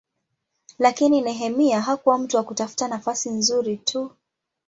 Lakini Nehemia hakuwa mtu wa kutafuta nafasi nzuri tu.